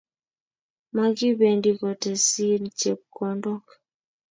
Mokibendi ketesyini chepkondook.